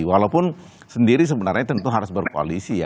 walaupun sendiri sebenarnya tentu harus berkoalisi ya